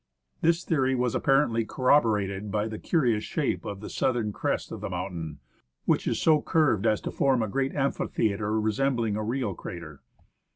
This theory was apparently corroborated by the curious shape of the southern crest of the mountain, which is so curved as to form a great amphitheatre resembling a real crater.